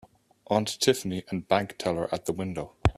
Aunt Tiffany and bank teller at the window.